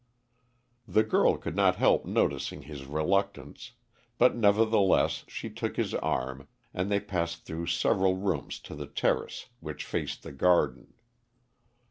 The girl could not help noticing his reluctance, but nevertheless she took his arm, and they passed through several rooms to the terrace which faced the garden.